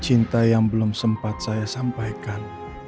cinta yang belum sempat saya sampaikan